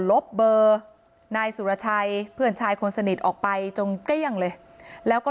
ลบเบอร์นายสุรชัยเพื่อนชายคนสนิทออกไปจนเกลี้ยงเลยแล้วก็